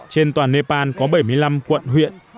trên toàn nepal có bảy mươi năm quận huyện